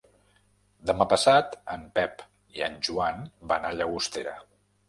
Demà passat en Pep i en Joan van a Llagostera.